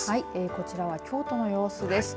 こちらは京都の様子です。